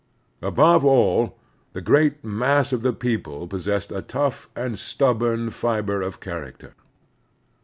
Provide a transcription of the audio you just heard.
Above all, the great mass of the people possessed a tough and stub bom fiber of character.